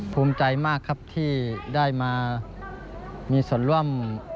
ภูมิใจมากครับที่ได้มามีส่วนร่วม